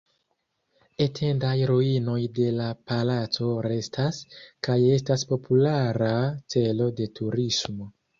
Etendaj ruinoj de la palaco restas, kaj estas populara celo de turismo.